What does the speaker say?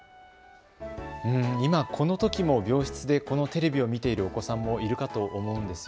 今このときも病室でこのテレビを見ているお子さんもいると思います。